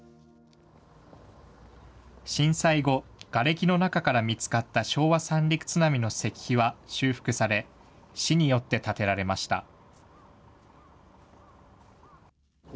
震災後、がれきの中から見つかった昭和三陸津波の石碑は修復され、市によって建てられました。